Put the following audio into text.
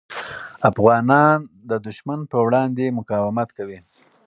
افغانان د دښمن پر وړاندې مقاومت کوي.